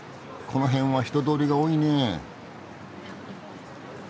この辺は人通りが多いねえ。